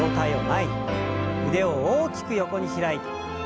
腕を大きく横に開いて。